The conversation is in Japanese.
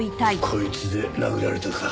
こいつで殴られたか。